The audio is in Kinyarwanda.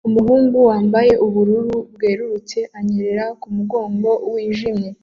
Umuhungu wambaye ubururu bwerurutse anyerera kumurongo wijimye